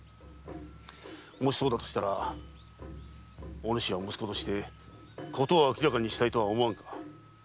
もしそうだとしたらおぬしは息子としてことを明らかにしたいとは思わぬか？